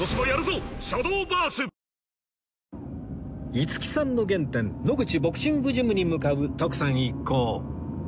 五木さんの原点野口ボクシングジムに向かう徳さん一行